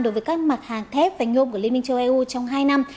đối với các mặt hàng thép và nhôm của liên minh châu eu trong hai năm